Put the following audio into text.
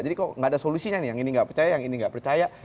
jadi kok nggak ada solusinya nih yang ini nggak percaya yang ini nggak percaya